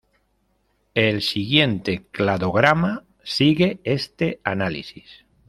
El siguiente cladograma sigue este análisis.